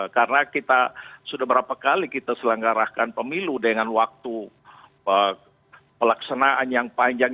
karena kita sudah berapa kali kita selenggarakan pemilu dengan waktu pelaksanaan yang panjang